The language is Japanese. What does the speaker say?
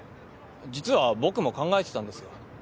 実は僕も考えてたんですよ。